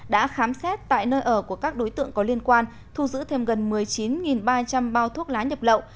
đã khám xét tại nơi ở của các đối tượng có liên quan thu giữ thêm gần một mươi chín ba trăm linh bao thuốc lá nhập lậu